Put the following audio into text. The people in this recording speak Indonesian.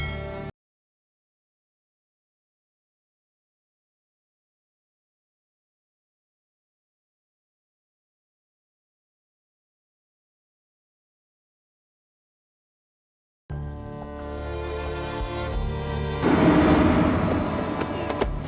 apa yang akan terjadi